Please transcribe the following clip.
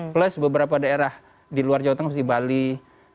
plus beberapa daerah di luar jawa tengah pdi pdi perjuangan itu juga sangat pdi pdi perjuangan